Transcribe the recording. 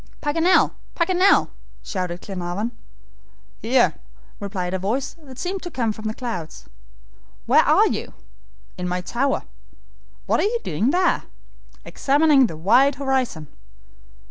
"Paganel, Paganel!" shouted Glenarvan. "Here," replied a voice that seemed to come from the clouds. "Where are you?" "In my tower." "What are you doing there?" "Examining the wide horizon."